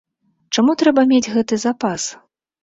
Чаму трэба мець гэты запас?